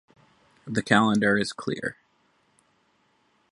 The calendar is clear.